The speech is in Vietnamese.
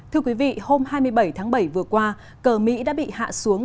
thưa quý vị hôm hai mươi bảy tháng bảy vừa qua cờ mỹ đã bị hạ xuống